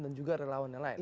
dan juga relawan yang lain